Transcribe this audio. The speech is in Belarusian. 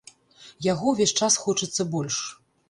Яго ўвесь час хочацца больш.